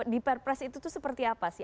di pprs itu seperti apa sih